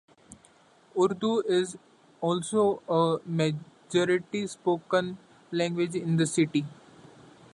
Urdu is also a majority spoken language in the city.